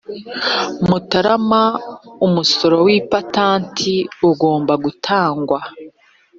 mutarama umusoro w ipatanti ugomba gutangwa